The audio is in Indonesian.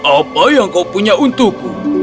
apa yang kau punya untukku